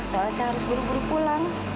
soalnya saya harus buru buru pulang